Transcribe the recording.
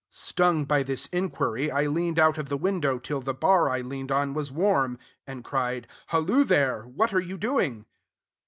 "Stung by this inquiry, I leaned out of the window till "The bar I leaned on (was) warm," and cried, "Halloo, there! What are you doing?"